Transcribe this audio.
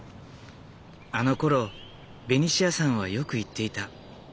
あのころベニシアさんはよく言っていた。